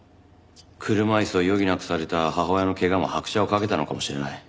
車椅子を余儀なくされた母親の怪我も拍車をかけたのかもしれない。